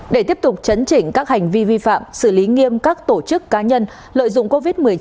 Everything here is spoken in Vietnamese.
để tiếp tục chấn chỉnh các hành vi vi phạm xử lý nghiêm các tổ chức cá nhân lợi dụng covid một mươi chín